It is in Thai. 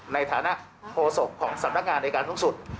ในฐานะโฆษกของสำนักงานในการสูงสุด